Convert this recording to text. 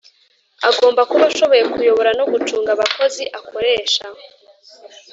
Agomba kuba ashoboye kuyobora no gucunga abakozi akoresha.